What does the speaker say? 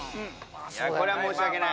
いやこれは申し訳ない。